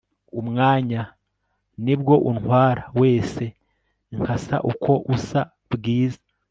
umwanya, ni bwo untwara wese nkasa uko usa bwiza